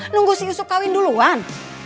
nunggu si usuk kawin duluan